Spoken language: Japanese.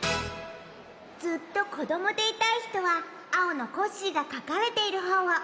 ずっとこどもでいたいひとはあおのコッシーがかかれているほうを。